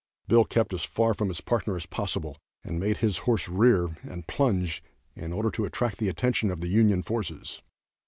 Bill kept as far from his partner as possible, and made his horse rear and plunge in order to attract the attention of the Union forces.